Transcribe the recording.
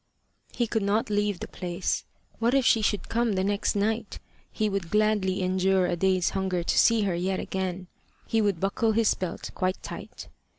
He could not leave the place. What if she should come the next night! He would gladly endure a day's hunger to see her yet again: he would buckle his belt quite tight.